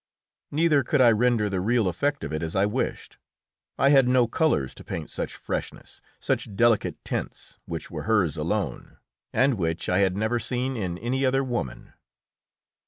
Neither could I render the real effect of it as I wished. I had no colours to paint such freshness, such delicate tints, which were hers alone, and which I had never seen in any other woman.